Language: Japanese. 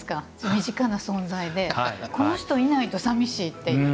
身近な存在で、この人いないとさみしいっていう。